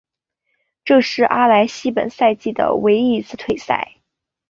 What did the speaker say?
这是阿莱西本赛季的唯一一次退赛。